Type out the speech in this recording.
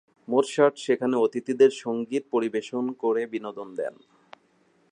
Mozart সেখানে অতিথিদের সঙ্গীত পরিবেশন করে বিনোদন দেন।